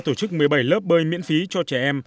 tổ chức một mươi bảy lớp bơi miễn phí cho trẻ em